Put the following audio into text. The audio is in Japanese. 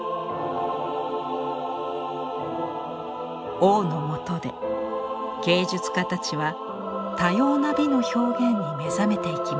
王のもとで芸術家たちは多様な美の表現に目覚めていきます。